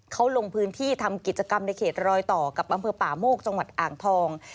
เขาลงพื้นที่ทำกิจกรรมในเขตรอยต่อกับอำเภอป่าโมกจังหวัดอ่างทอง